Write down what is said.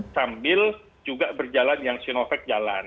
sambil juga berjalan yang sinovac jalan